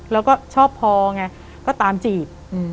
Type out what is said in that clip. แล้วก็ชอบพอไงก็ตามจีบ